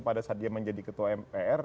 pada saat dia menjadi ketua mpr